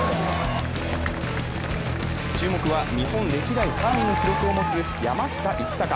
注目は日本歴代３位の記録を持つ山下一貴。